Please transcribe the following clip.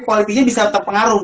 qualitynya bisa tetap pengaruh